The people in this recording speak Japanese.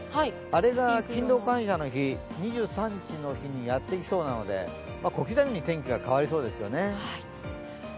あれが勤労感謝の日、２３日にやってきそうなので小刻みに天気が変わりそうですよね。